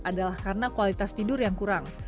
adalah karena kualitas tidur yang kurang